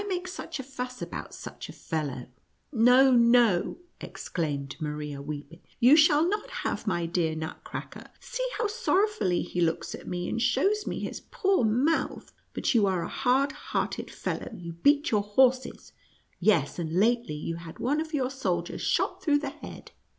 Yv T hy make such a fuss about such a fellow V " No, no," exclaimed Maria, weeping ;" you shall not have my dear Nutcracker. See how sorrowfully he looks at me, and shows me his poor mouth. But you are a hard hearted fellow ; you beat your horses ; yes, and lately you had one of your soldiers shot through the head."